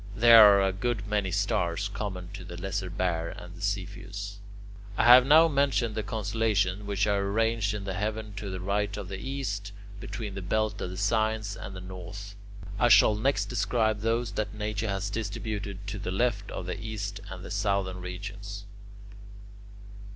There are a good many stars common to the Lesser Bear and to Cepheus. I have now mentioned the constellations which are arranged in the heaven to the right of the east, between the belt of the signs and the north. I shall next describe those that Nature has distributed to the left of the east and in the southern regions.